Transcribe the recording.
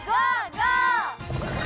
ゴー！